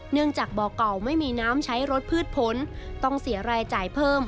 จากบ่อเก่าไม่มีน้ำใช้รถพืชผลต้องเสียรายจ่ายเพิ่ม